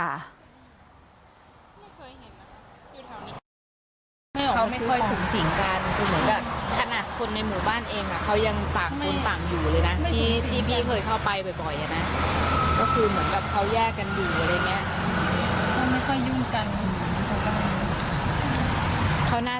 มันเหมือนกับทางเฟซทางอะไรอย่างนี้มากกว่าใช่ไหมที่เขาลองทานเฟซอะไร